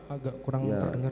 agak kurang terdengar